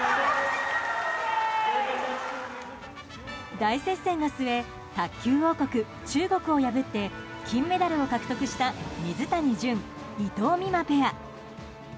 大接戦の末卓球王国・中国を破って金メダルを獲得した水谷隼、伊藤美誠ペア。